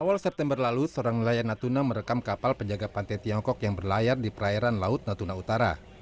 awal september lalu seorang nelayan natuna merekam kapal penjaga pantai tiongkok yang berlayar di perairan laut natuna utara